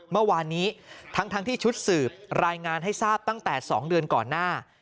เมื่อวานนี้ทั้งที่ชุดสืบรายงานให้ทราบตั้งแต่๒เดือนก่อนหน้า